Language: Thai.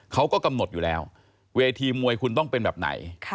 เขาก็กำหนดอยู่แล้วเวทีมวยคุณต้องเป็นแบบไหน